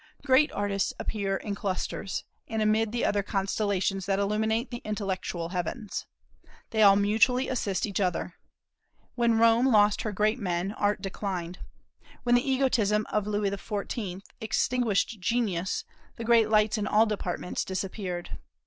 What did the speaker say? Great artists appear in clusters, and amid the other constellations that illuminate the intellectual heavens. They all mutually assist each other. When Rome lost her great men, Art declined. When the egotism of Louis XIV. extinguished genius, the great lights in all departments disappeared.